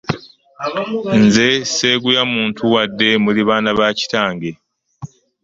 Nze sseeguya muntu wadde muli baana ba kitange.